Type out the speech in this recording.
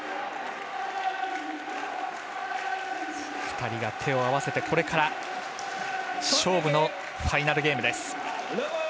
２人が手を合わせてこれから勝負のファイナルゲーム。